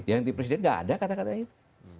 ganti presiden gak ada kata kata itu